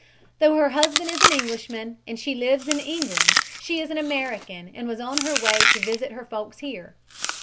Though her husband is an Englishman and she lives in England she is an American and was on her way to visit her folks here.